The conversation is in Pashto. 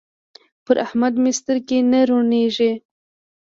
پر احمد مې سترګې نه روڼېږي.